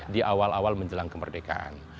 di awal awal menjelang kemerdekaan